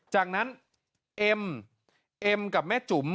จากนั้นเอ็มเอ็มกับแม่จุ๋ม